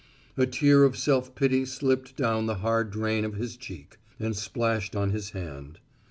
A tear of self pity slipped down the hard drain of his cheek and splashed on his hand.